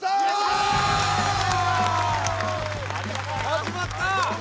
始まった！